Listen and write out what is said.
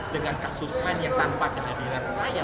dengan kasus lain yang tanpa kehadiran saya